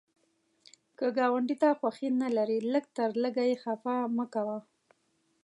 که ګاونډي ته خوښي نه لرې، لږ تر لږه یې خفه مه کوه